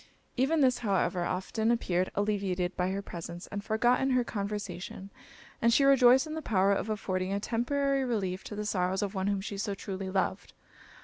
Even this, however, often appeared alleviated by her presence, and forgotten in her conversation; and she rejoiced in the power of affording a temporary relief to the sorrows of one whom she so truly loved.